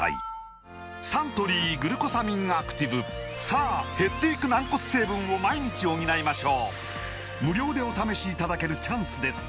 サントリー「グルコサミンアクティブ」さあ減っていく軟骨成分を毎日補いましょう無料でお試しいただけるチャンスです